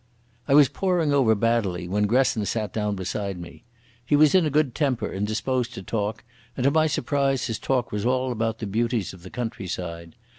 I was poring over Baddely when Gresson sat down beside me. He was in a good temper, and disposed to talk, and to my surprise his talk was all about the beauties of the countryside.